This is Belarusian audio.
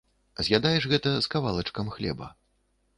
З'ядаеш гэта з кавалачкам хлеба.